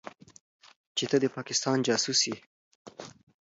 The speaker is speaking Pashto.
چې ته د پاکستان جاسوس يې.